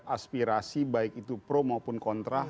aspirasi baik itu pro maupun kontra